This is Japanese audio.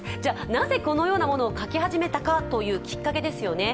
なぜこのようなものを描き始めたのかというきっかけですよね。